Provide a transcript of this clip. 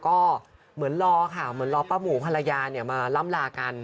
ก็เหมือนรอค่ะเหมือนรอป้าหมูภรรยามาล่ำลากัน